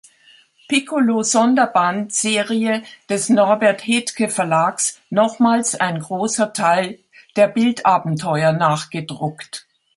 Piccolo-Sonderband Serie des Norbert Hethke Verlags nochmals ein großer Teil der Bild Abenteuer nachgedruckt.